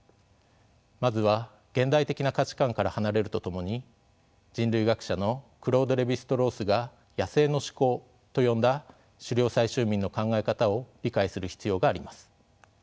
まずは現代的な価値観から離れるとともに人類学者のクロード・レヴィ＝ストロースが「野生の思考」と呼んだ狩猟採集民の考え方を理解する必要があります。